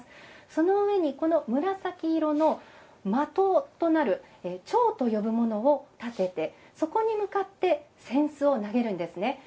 その上に、この紫色の的となる蝶と呼ぶものを立ててそこに向かって扇子を投げるんですね。